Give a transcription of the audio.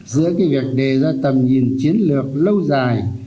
giữa cái việc đề ra tầm nhìn chiến lược lâu dài